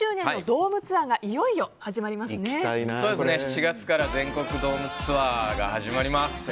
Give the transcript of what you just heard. ドームツアーが７月から全国ドームツアーが始まります。